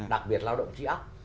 đặc biệt lao động trí ấp